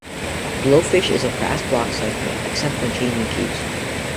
Blowfish is a fast block cipher, except when changing keys.